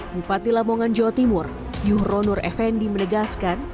bupati lamongan jawa timur yuhronur effendi menegaskan